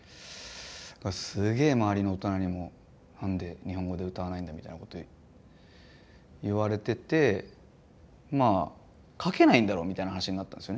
すげえ周りの大人にもなんで日本語で歌わないんだみたいなこと言われててまあ書けないんだろうみたいな話になったんですよね。